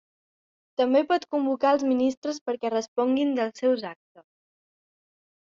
També pot convocar els ministres perquè responguin dels seus actes.